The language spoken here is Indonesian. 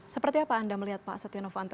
seperti apa anda melihat pak setiano fanto